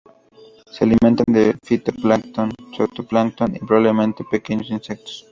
Se alimentan de fitoplancton, zooplancton y probablemente pequeños insectos.